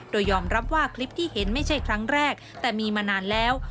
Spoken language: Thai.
โดยยอมรับว่าคลิปที่เห็นไม่ใช่ครั้งแรกแต่มีมานานแล้ว